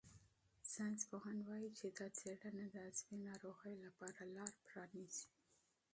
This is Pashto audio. ساینسپوهان وايي چې دا څېړنه د عصبي ناروغیو لپاره لار پرانیزي.